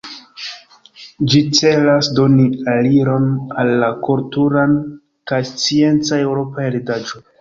Ĝi celas doni aliron al la kultura kaj scienca eŭropa heredaĵo.